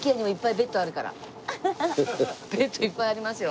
ベッドいっぱいありますよ。